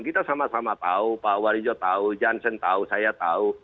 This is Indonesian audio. kita sama sama tahu pak warijo tahu johnson tahu saya tahu